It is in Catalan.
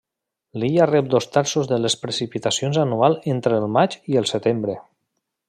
L'illa rep dos terços de les precipitacions anuals entre el maig i el setembre.